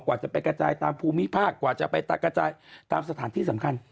กว่าจะไปกระจายตามภูมิภาคกว่าจะไปกระจายตามสถานที่สำคัญ